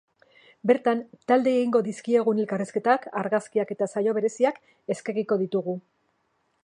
Bertan, taldeei egingo dizkiegun elkarrizketak, argazkiak eta saio bereziak eskegiko ditugu.